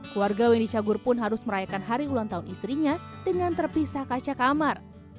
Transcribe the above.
keluarga wendy cagur pun harus merayakan hari ulang tahun istrinya dengan terpisah kaca kamar